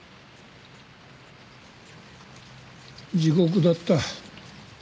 地獄だった。